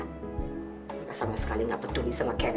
maka sama sekali nggak peduli sama kevin ya kan